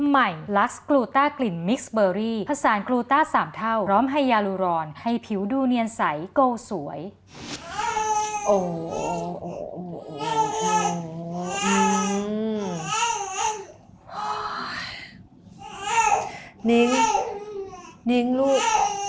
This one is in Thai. นิ้งลูกนิ้งหยิบยำหมองให้แม่หน่อยลูก